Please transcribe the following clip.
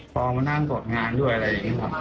ฟองมันน่านตรวจงานด้วยเลย